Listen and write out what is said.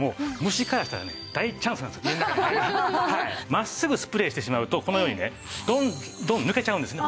真っすぐスプレーしてしまうとこのようにねどんどん抜けちゃうんですね